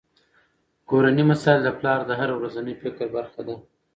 کورني مسایل د پلار د هره ورځني فکر برخه ده.